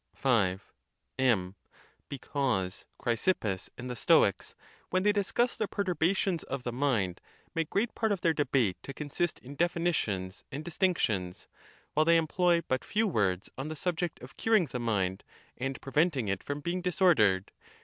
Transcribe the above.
V. M. Because, Chrysippus and the Stoics, when they discuss the perturbations of the mind, make great part of their debate to consist in definitions and distinctions; while they employ but few words on the subject of cur ing the mind, and preventing it from being disordered.